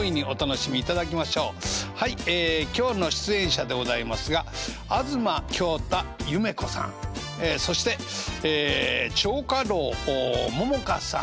今日の出演者でございますが東京太・ゆめ子さんそして蝶花楼桃花さん。